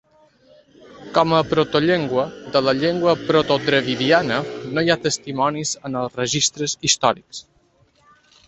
Com a protollengua, de la llengua protodravidiana no hi ha testimonis en els registres històrics.